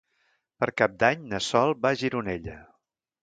Per Cap d'Any na Sol va a Gironella.